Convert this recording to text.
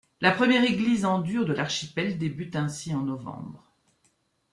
La première église en dur de l'archipel débute ainsi en novembre.